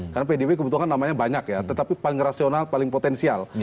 karena pdi kebetulan namanya banyak ya tetapi paling rasional paling potensial